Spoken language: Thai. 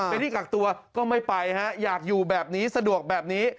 เป็นที่กักตัวก็ไม่ไปฮะอยากอยู่แบบนี้สะดวกแบบนี้